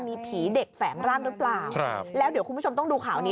มีผีเด็กแฝงร่างหรือเปล่าครับแล้วเดี๋ยวคุณผู้ชมต้องดูข่าวนี้